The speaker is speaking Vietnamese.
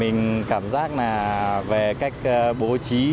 mình cảm giác là về cách bố trí